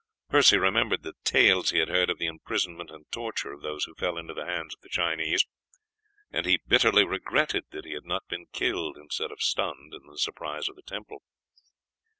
Percy remembered the tales he had heard of the imprisonment and torture of those who fell into the hands of the Chinese, and he bitterly regretted that he had not been killed instead of stunned in the surprise of the temple.